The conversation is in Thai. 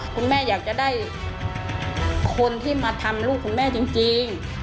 คุณแม่อยากจะได้คนที่มาทำลูกคุณแม่จริง